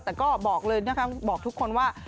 แต่ก็บอกเลยนะคะบอกทุกคนว่า